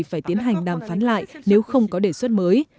phải tiến hành đàm phán lại nếu không có đề xuất mới